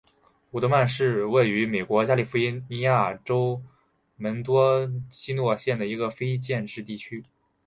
伍德曼是位于美国加利福尼亚州门多西诺县的一个非建制地区。